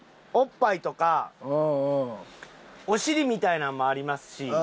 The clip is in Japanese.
おっぱいとかお尻みたいなんもありますし。